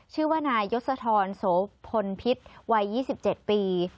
ชื่อว่านายยศธรโสพลพิษวัย๒๗ปี